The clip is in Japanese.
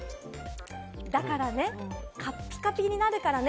だからね、カッピカピになるからね。